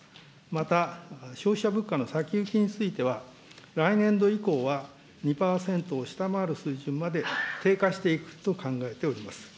また、消費者物価の先行きについては、来年度以降は、２％を下回る水準まで低下していくと考えております。